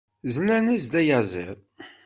Zlan-as-d ayaziḍ.